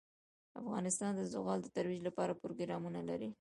افغانستان د زغال د ترویج لپاره پروګرامونه لري.